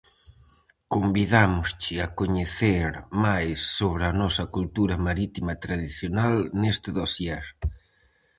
Convidámosche a coñecer máis sobre a nosa cultura marítima tradicional neste dosier.